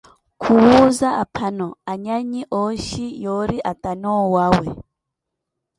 Khuwuza, aphano, anyannyi ooxhi yoori atane owawe.